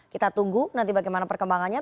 kita tunggu nanti bagaimana perkembangannya